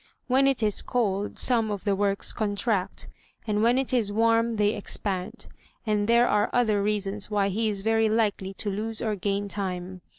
When it is cold, some of the works contract; and when it is warm, they expand; and there are other reasons why he is very likely to lose or gain time.